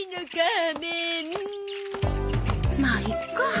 まあいっか。